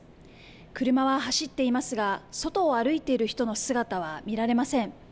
車は走っていますが外を歩いている人の姿は見られません。